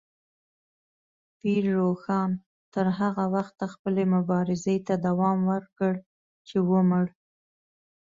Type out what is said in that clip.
پیر روښان تر هغه وخته خپلې مبارزې ته دوام ورکړ چې ومړ.